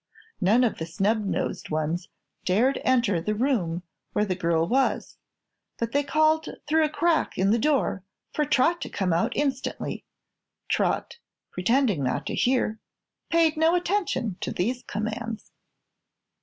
None of the snubnosed ones dared enter the room where the girl was, but they called through a crack in the door for Trot to come out instantly. Trot, pretending not to hear, paid no attention to these commands.